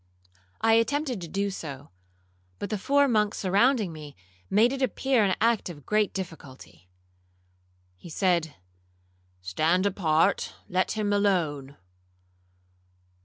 I attempted to do so; but the four monks surrounding me, made it appear an act of great difficulty. He said, 'Stand apart—let him alone.'